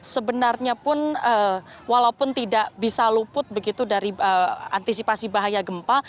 sebenarnya pun walaupun tidak bisa luput begitu dari antisipasi bahaya gempa